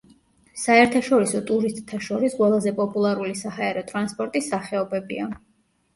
საერთაშორისო ტურისტთა შორის ყველაზე პოპულარული საჰაერო ტრანსპორტის სახეობებია.